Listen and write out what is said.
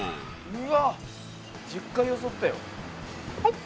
うわっ１０回よそったよ。